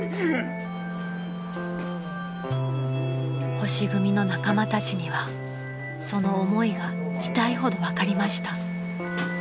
［星組の仲間たちにはその思いが痛いほど分かりました］